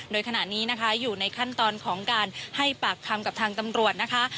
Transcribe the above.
โดยขณะนี้นะคะอยู่ในขั้นตอนของการให้ปากคำกับทางตำรวจนะคะ